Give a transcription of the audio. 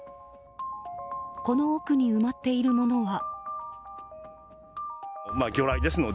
この奥に埋まっているものは。